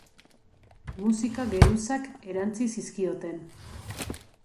Musika geruzak erantsi zizkioten.